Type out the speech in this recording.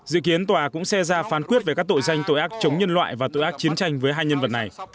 dự kiến tòa cũng sẽ ra phán quyết về các tội danh tội ác chống nhân loại và tội ác chiến tranh với hai nhân vật này